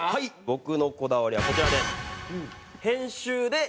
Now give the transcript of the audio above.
僕のこだわりはこちらです。